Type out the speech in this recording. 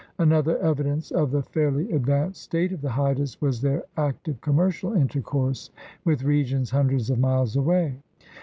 Another evidence of the fairly advanced state of the Haidas was their active commercial intercourse with regions hundreds of miles away.